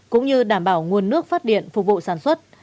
cũng như đảm bảo nguồn nước phát điện phục vụ sản xuất